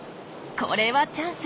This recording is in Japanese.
これはチャンス。